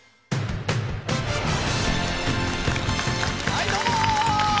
はいどうも！